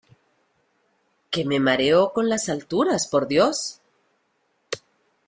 que me mareo con las alturas, por Dios.